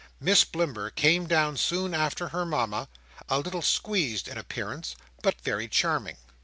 Miss Blimber came down soon after her Mama; a little squeezed in appearance, but very charming.